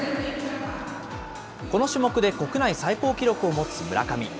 この種目で国内最高記録を持つ村上。